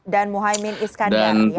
dan muhaymin iskandar ya